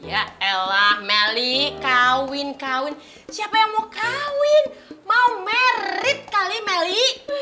ya ella meli kawin kawin siapa yang mau kawin mau merit kali meli